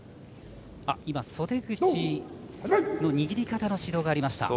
袖口の握り方の指導がありました。